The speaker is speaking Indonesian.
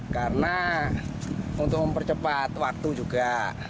karena untuk mempercepat waktu juga